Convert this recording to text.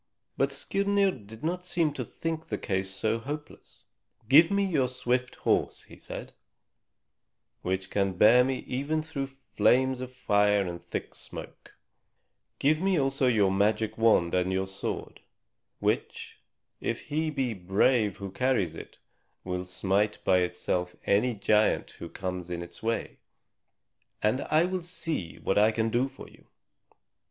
But Skirnir did not seem to think the case so hopeless. "Give me but your swift horse," he said, "which can bear me even through flames of fire and thick smoke; give me also your magic wand and your sword, which if he be brave who carries it, will smite by itself any giant who comes in its way, and I will see what I can do for you."